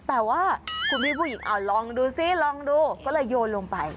แต่ว่าคุณพี่ผู้หญิงเอาลองดูซิลองดูก็เลยโยนลงไป